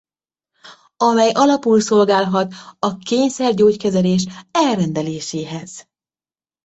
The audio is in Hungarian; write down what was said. Amely alapul szolgálhat a kényszer-gyógykezelés elrendeléséhez.